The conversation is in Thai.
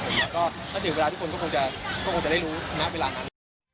แล้วก็ถ้าถึงเวลาทุกคนก็คงจะได้รู้ณเวลานั้น